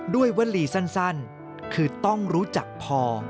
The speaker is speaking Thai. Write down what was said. วลีสั้นคือต้องรู้จักพอ